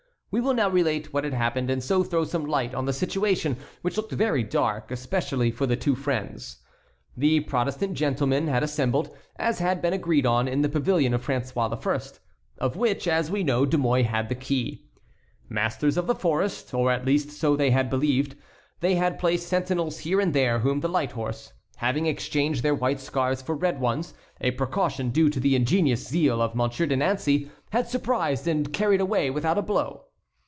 We will now relate what had happened and so throw some light on the situation, which looked very dark, especially for the two friends. The Protestant gentlemen had assembled, as had been agreed on, in the pavilion of François I., of which, as we know, De Mouy had the key. Masters of the forest, or at least so they had believed, they had placed sentinels here and there whom the light horse, having exchanged their white scarfs for red ones (a precaution due to the ingenious zeal of Monsieur de Nancey), had surprised and carried away without a blow.